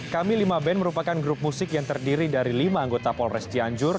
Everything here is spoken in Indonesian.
kami lima band merupakan grup musik yang terdiri dari lima anggota polres cianjur